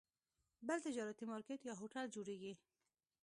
بل تجارتي مارکیټ یا هوټل جوړېږي.